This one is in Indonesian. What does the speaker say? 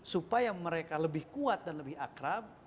supaya mereka lebih kuat dan lebih akrab